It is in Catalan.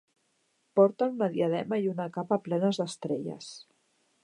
Porta una diadema i una capa plenes d'estrelles.